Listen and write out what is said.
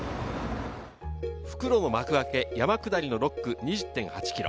復路の幕開け、山下りの６区は２０．８ｋｍ。